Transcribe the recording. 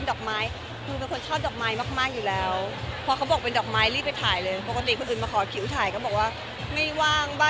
แต่ไม่วางแต่พอบอกว่าเป็นดอกไม้เนี้ยเราไปเลยยังไงวันนี้อ้าวมันก็ชอบค่ะ